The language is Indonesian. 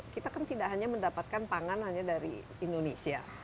kita kan tidak hanya mendapatkan pangan hanya dari indonesia